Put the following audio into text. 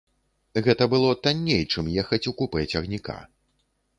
Гэта было танней, чым ехаць у купэ цягніка.